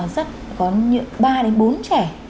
rất có ba đến bốn trẻ